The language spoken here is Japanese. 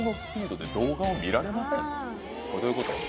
これどういうこと？